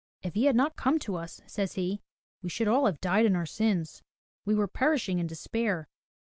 *'If he had not come to us/' says he, *'we should all have died in our sins. We were perishing in despair.